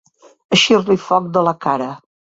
Eixir-li foc de la cara.